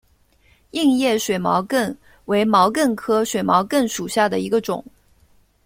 硬叶水毛茛为毛茛科水毛茛属下的一个种。